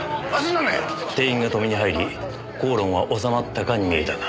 店員が止めに入り口論は収まったかに見えたが。